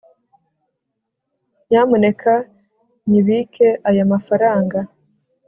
nyamuneka nyibike aya mafaranga